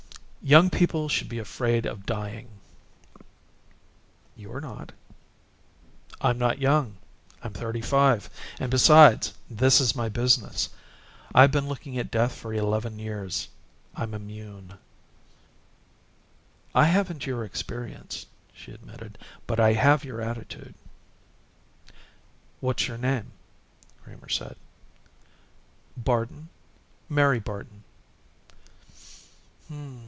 Young people should be afraid of dying." "You're not." "I'm not young. I'm thirty five, and besides, this is my business. I've been looking at death for eleven years. I'm immune." "I haven't your experience," she admitted, "but I have your attitude." "What's your name?" Kramer said. "Barton, Mary Barton."